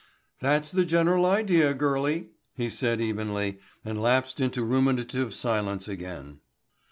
"That's the general idea, girlie," he said evenly and lapsed into ruminative silence again.